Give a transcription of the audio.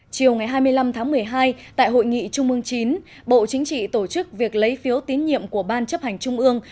chiều ngày hai mươi năm tháng một mươi hai tại hội nghị trung ương chín bộ chính trị tổ chức việc lấy phiếu tín nhiệm của ban chấp hành trung ương